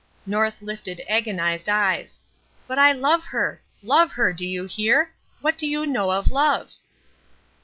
North lifted agonized eyes. "But I love her! Love her, do you hear? What do you know of love?"